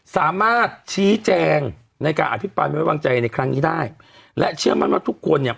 สามารถชี้แจงในการอภิปรายไม่วางใจในครั้งนี้ได้และเชื่อมั่นว่าทุกคนเนี่ย